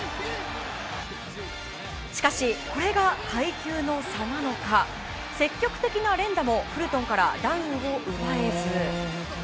しかし、これが階級の差なのか積極的な連打もフルトンからダウンを奪えず。